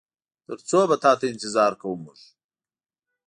تر څو به تاته انتظار کوو مونږ؟